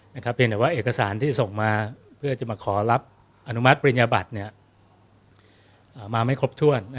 เพียงแต่ว่าเอกสารที่ส่งมาเพื่อจะมาขอรับอนุมัติปริญญาบัตรมาไม่ครบถ้วน